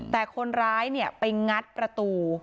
แต่คนร้ายไปงัดประตู